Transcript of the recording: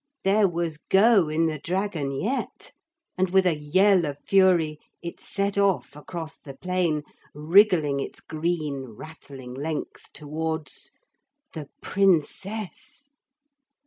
There was go in the dragon yet. And with a yell of fury it set off across the plain, wriggling its green rattling length towards the Princess.